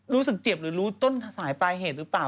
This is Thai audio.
รู้สึกเจ็บหรือรู้ต้นสายปลายเหตุหรือเปล่า